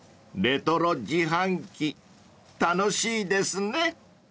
［レトロ自販機楽しいですね］